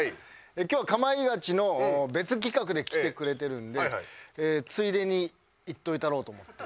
今日は『かまいガチ』の別企画で来てくれてるんでついでにいっといたろうと思って。